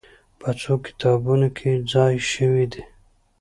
په څو کتابونو کې ځای شوې دي.